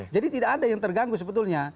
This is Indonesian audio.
jadi tidak ada yang terganggu sebetulnya